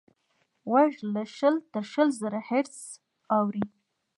غوږ له شل تر شل زره هیرټز اوري.